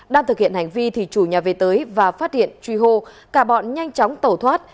đang thực hiện hành vi thì chủ nhà về tới và phát hiện truy hô cả bọn nhanh chóng tẩu thoát